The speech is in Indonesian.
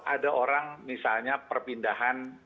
ada orang misalnya perpindahan